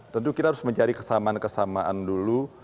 tentu kita harus mencari kesamaan kesamaan dulu